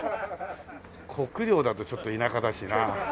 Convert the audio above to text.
国領だとちょっと田舎だしな。